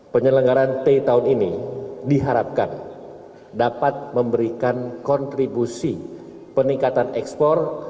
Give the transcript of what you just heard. penyelenggaran tei tahun ini diharapkan dapat memberikan kontribusi peningkatan ekspor